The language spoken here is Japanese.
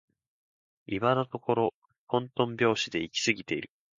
今のところとんとん拍子で行き過ぎている